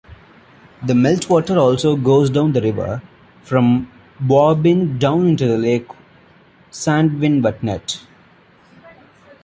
The melt-water also goes down the river from Buarbreen down into the lake Sandvinvatnet.